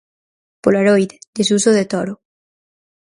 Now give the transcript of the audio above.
Polaroid, de Suso de Toro.